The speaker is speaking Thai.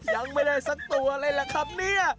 ยังไม่ได้สักตัวเลยล่ะครับเนี่ย